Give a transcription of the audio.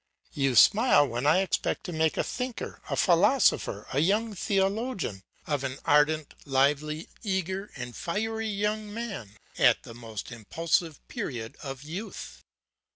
You smile when I expect to make a thinker, a philosopher, a young theologian, of an ardent, lively, eager, and fiery young man, at the most impulsive period of youth.